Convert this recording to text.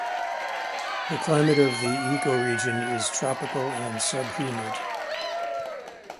The climate of the ecoregion is tropical and subhumid.